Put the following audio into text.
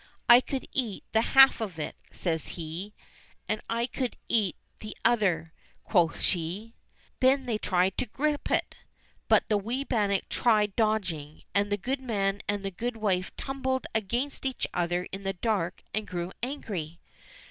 "I could eat the half of it," says he. "And I could eat the tother," quoth she. Then they tried to grip it ; but the wee bannock tried dodging. And the goodman and the goodwife tumbled against each other in the dark and grew angry.